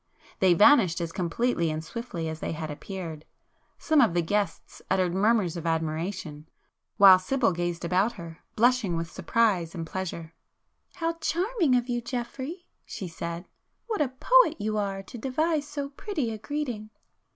They vanished as completely and swiftly as they had appeared,—some [p 264] of the guests uttered murmurs of admiration, while Sibyl gazed about her, blushing with surprise and pleasure. "How charming of you, Geoffrey!" she said, "What a poet you are to devise so pretty a greeting!"